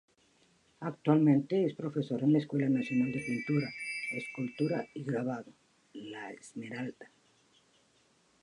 Actualmente es profesora en la Escuela Nacional de Pintura, Escultura y Grabado, "La Esmeralda".